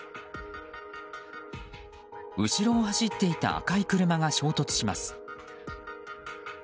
後ろを走っていた赤い車が衝突します。